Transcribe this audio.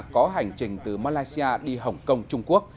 có hành trình từ malaysia đi hồng kông trung quốc